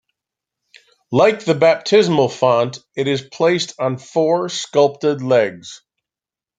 Like the baptismal font, it is placed on four sculpted legs.